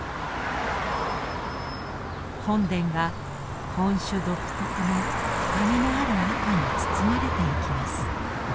本殿が本朱独特の深みのある赤に包まれてゆきます。